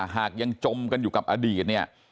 หากยังจมกันอยู่กับอดีตเนี่ย